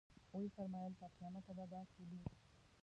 ویې فرمایل تر قیامته به دا کیلي.